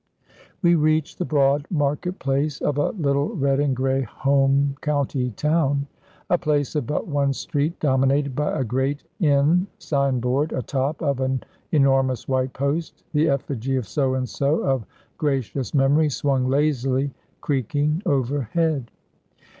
We reached the broad market place of a little, red and grey, home county town; a place of but one street dominated by a great inn signboard a top of an enormous white post. The effigy of So and So of gracious memory swung lazily, creaking, overhead.